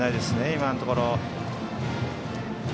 今のところ。